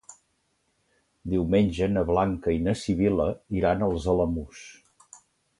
Diumenge na Blanca i na Sibil·la iran als Alamús.